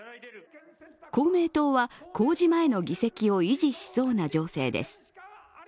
公明党は、公示前の議席を維持しそうな情勢です。